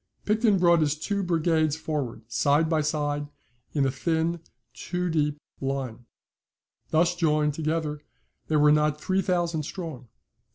Picton brought his two brigades forward, side by side, in a thin, two deep line. Thus joined together, they were not three thousand strong.